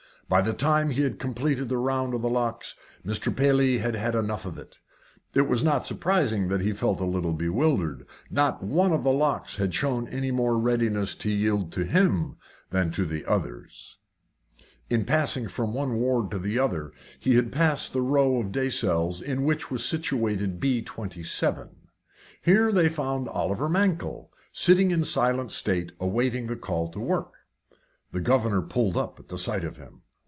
By the time he had completed the round of the locks, Mr. Paley had had about enough of it. It was not surprising that he felt a little bewildered not one of the locks had shown any more readiness to yield to him than to the others. In passing from one ward to the other, he had passed the row of day cells in which was situated B 27. Here they found Oliver Mankell sitting in silent state awaiting the call to work. The governor pulled up at the sight of him.